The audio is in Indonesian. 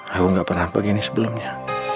aku gak pernah begini sebelumnya